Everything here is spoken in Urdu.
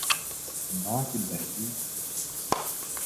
نہ کہ دہلی۔